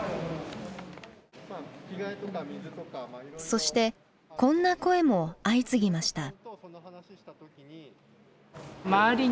そしてこんな声も相次ぎました。